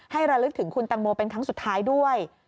ระลึกถึงคุณตังโมเป็นครั้งสุดท้ายด้วย